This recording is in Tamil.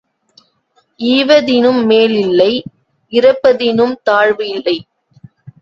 ஈவதினும் மேல் இல்லை இரப்பதினும் தாழ்வு இல்லை.